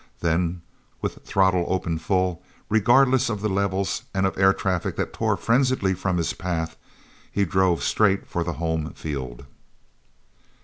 Then, with throttle open full, regardless of levels and of air traffic that tore frenziedly from his path, he drove straight for the home field.